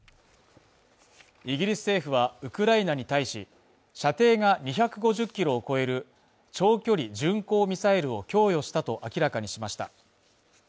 イギリス政府はウクライナに対し、射程が２５０キロを超える長距離巡航ミサイルを供与したと明らかにしました。